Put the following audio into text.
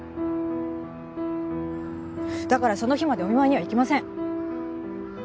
だからその日までお見舞いには行きません。